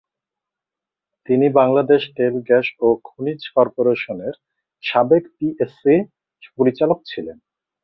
তিনি বাংলাদেশ তেল, গ্যাস ও খনিজ কর্পোরেশনের সাবেক পিএসসি পরিচালক ছিলেন।